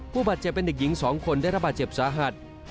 ผู้บาดเจ็บเป็นเด็กหญิง๒คนได้ระบาดเจ็บสาหัส